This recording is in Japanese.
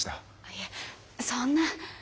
いえそんな。